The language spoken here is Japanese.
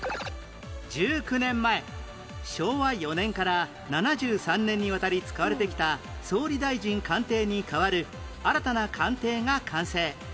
１９年前昭和４年から７３年にわたり使われてきた総理大臣官邸に代わる新たな官邸が完成